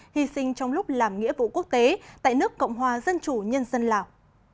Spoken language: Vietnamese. hy sinh trong lúc làm nghĩa vụ quốc tế tại nước cộng hòa dân chủ nhân dân lào